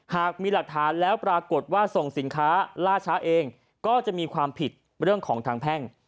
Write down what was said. หากมีหลักฐานแล้วปรากฏว่าส่งสินค้าล่าช้าเองก็จะมีความผิดเรื่องของทางแพ่ง